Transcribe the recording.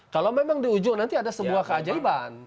kalau memang di ujung nanti ada sebuah keajaiban